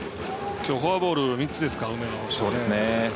きょう、フォアボール３つですか、梅野。